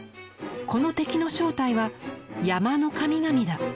この敵の正体は『山の神々』だ！！」。